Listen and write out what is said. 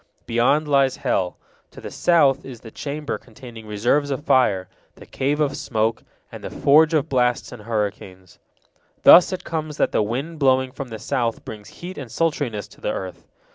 Beyond lies hell. To the south is the chamber containing reserves of fire, the cave of smoke, and the forge of blasts and hurricanes. Thus it comes that the wind blowing from the south brings heat and sultriness to the earth.